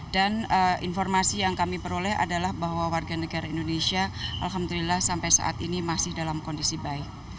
dan informasi yang kami peroleh adalah bahwa warga negara indonesia alhamdulillah sampai saat ini masih dalam kondisi baik